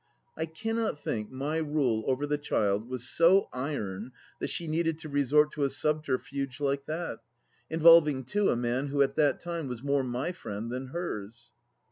I cannot think my rule over the child was so iron that she needed to resort to a subterfuge like that, involving, too, a man who at that time was more my friend than hers.